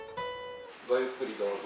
ごゆっくりどうぞ。